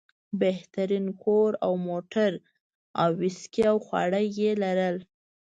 بهترین کور او موټر او ویسکي او خواړه یې لرل.